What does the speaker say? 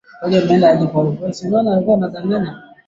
aribu katika matazo yetu ya asubuhi ya idhaa ya kiswahili